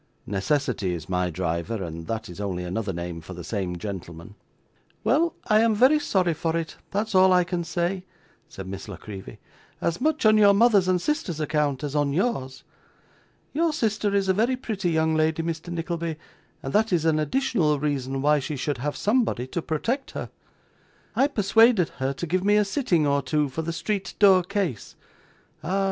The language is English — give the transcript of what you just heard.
Necessity is my driver, and that is only another name for the same gentleman.' 'Well, I am very sorry for it; that's all I can say,' said Miss La Creevy; 'as much on your mother's and sister's account as on yours. Your sister is a very pretty young lady, Mr. Nickleby, and that is an additional reason why she should have somebody to protect her. I persuaded her to give me a sitting or two, for the street door case. 'Ah!